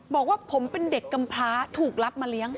บอกว่าผมเป็นเด็กกำพลาถูกรับมาเลี้ยง